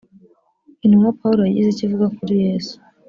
intumwa pawulo yagize icyo ivuga kuri yesu.